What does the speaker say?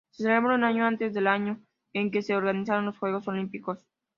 Se celebran un año antes del año en que se organizan los Juegos Olímpicos.